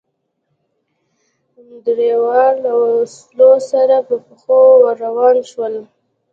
درېواړه له وسلو سره په پښو ور روان شول.